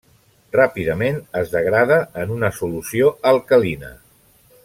Ràpidament es degrada en una solució alcalina.